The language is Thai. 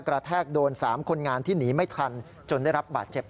แทกโดน๓คนงานที่หนีไม่ทันจนได้รับบาดเจ็บ